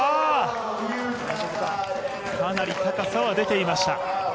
かなり高さは出ていました。